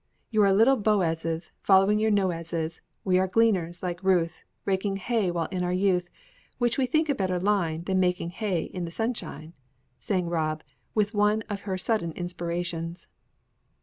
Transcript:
"_You are little Boazes, Following your noazes; We are gleaners, like to Ruth, Raking hay while in our youth, Which we think a better line Than making hay in the sunshine,_" sang Rob, with one of her sudden inspirations.